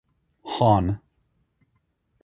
Hon.